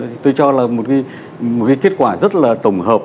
thì tôi cho là một cái kết quả rất là tổng hợp